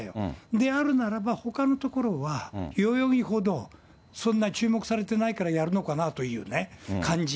であるならば、ほかの所は、代々木ほど、そんな注目されてないからやるのかなというね、感じ。